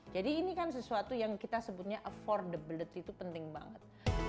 jadi ini kan sesuatu yang kita sebutnya affordability itu penting banget